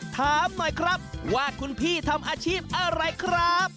ถามหน่อยครับว่าคุณพี่ทำอาชีพอะไรครับ